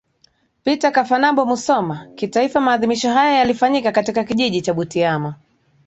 Peter Kafanabo Musoma Kitaifa maadhimisho haya yalifanyika katika Kijiji cha Butiama